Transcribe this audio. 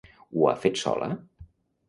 Ho ha fet sola?